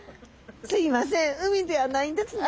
すいません海ではないんですね。